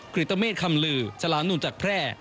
กริตเมตรคำลือฉลามหนุนจักรแพร่